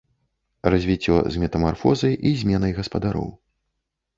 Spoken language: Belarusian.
Развіццё з метамарфозай і зменай гаспадароў.